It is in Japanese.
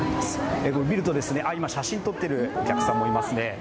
見ると今、写真撮っているお客さんもいますね。